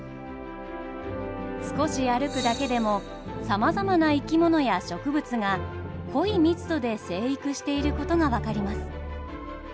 少し歩くだけでもさまざまな生き物や植物が濃い密度で生育していることが分かります。